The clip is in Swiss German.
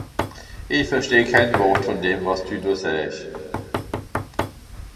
Ìch versteh kenn Wort vùn dem, wàs dü do saasch.